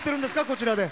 こちらで。